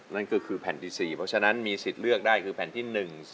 นั่นก็คือแผ่นที่๔เพราะฉะนั้นมีสิทธิ์เลือกได้คือแผ่นที่๑๒